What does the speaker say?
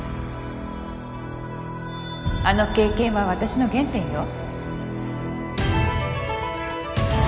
あの経験は私の原点よ